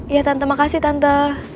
iya tante makasih tante